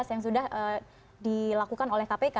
yang sudah dilakukan oleh kpk